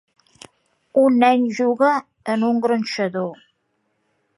Un nen juga en un gronxador.